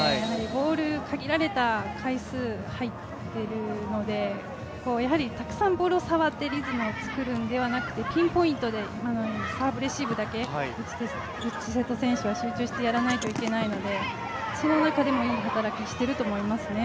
ボール限られた回数入ってるので、たくさんボールを触ってリズムを作るのではなくてピンポイントに、今のようにサーブレシーブだけ、内瀬戸選手は集中してやらないといけないのでその中でも、いい働きをしていると思いますね。